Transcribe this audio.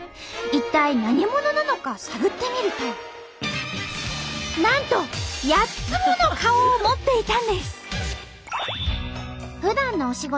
一体何者なのか探ってみるとなんと８つもの顔を持っていたんです！